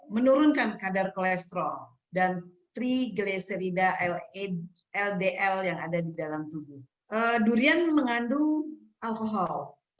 menurunkan kadar kolesterol dan triglecerida ldl yang ada di dalam tubuh durian mengandung alkohol